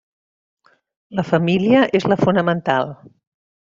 La família és la fonamental.